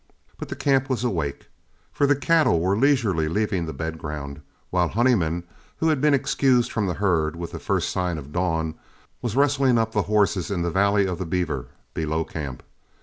But the camp was awake, for the cattle were leisurely leaving the bed ground, while Honeyman, who had been excused from the herd with the first sign of dawn, was rustling up the horses in the valley of the Beaver below camp.